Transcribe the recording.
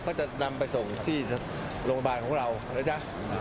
ก็จะนำไปส่งที่โรงพยาบาลของเรานะจ๊ะ